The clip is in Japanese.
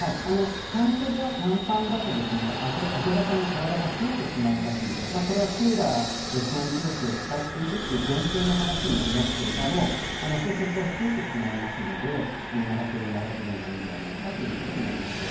半袖や短パンだと明け方に体が冷えてしまいますのでこれはクーラー、扇風機を使っているという前提の話になりますけれどもそうすると冷えてしまいますので長袖、長ズボンがいいのではないかということになります。